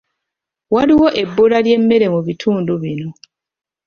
Waliwo ebbula ly'emmere mu bitundu bino.